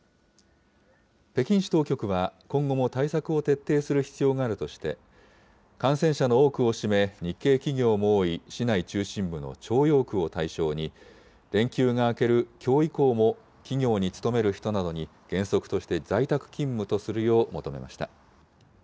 北京市当局は今後も対策を徹底する必要があるとして、感染者の多くを占め、日系企業も多い市内中心部の朝陽区を対象に、連休が明けるきょう以降も、企業に勤める人などに原則として、在宅勤務とするよう求めました。